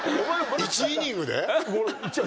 １イニングで？